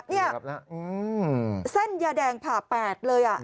เนี่ยเส้นยาแดงผ่าแปดเลยอ่ะ